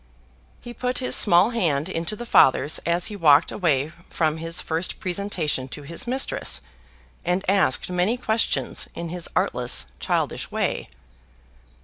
He put his small hand into the Father's as he walked away from his first presentation to his mistress, and asked many questions in his artless childish way.